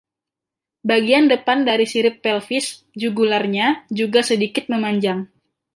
Bagian depan dari sirip pelvis jugularnya juga sedikit memanjang.